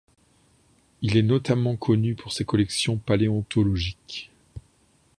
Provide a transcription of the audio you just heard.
Il est notamment connu pour ses collections paléontologiques.